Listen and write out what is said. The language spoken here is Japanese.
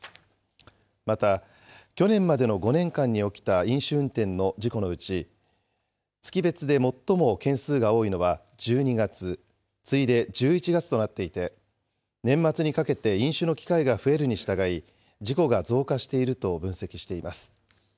また、去年までの５年間に起きた飲酒運転の事故のうち、月別で最も件数が多いのは１２月、次いで１１月となっていて、年末にかけて飲酒の機会が増えるにしたがい、事故が増加していると分析しています。